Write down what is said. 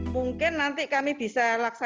mungkin nanti kami bisa laksanakan instruksi prosedur